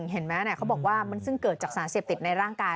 เห็นไหมเขาบอกว่ามันซึ่งเกิดจากสารเสพติดในร่างกาย